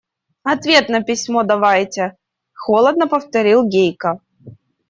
– Ответ на письмо давайте, – холодно повторил Гейка.